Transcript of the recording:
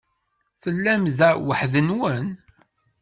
Tellam da weḥd-nwen?